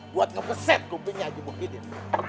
buat ngekeset kupingnya haji muhyiddin